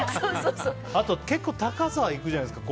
あと結構高さいくじゃないですか